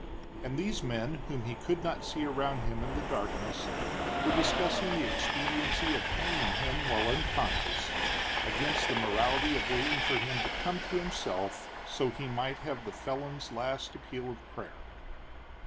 And these men whom he could not see around him in the darkness were discussing the expediency of hanging him while unconscious, against the morality of waiting for him to come to himself so he might have the felon's last appeal of prayer.